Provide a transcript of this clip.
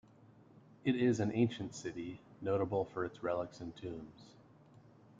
It is an ancient city, notable for its relics and tombs.